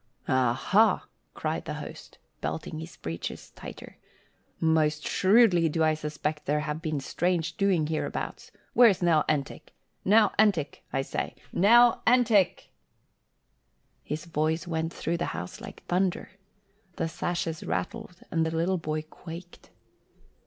"Ah ha!" cried the host, belting his breeches tighter. "Most shrewdly do I suspect there have been strange doings hereabouts. Where's Nell Entick? Nell Entick, I say, Nell Entick!" His voice went through the house like thunder. The sashes rattled and the little boy quaked.